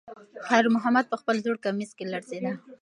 خیر محمد په خپل زوړ کمیس کې لړزېده.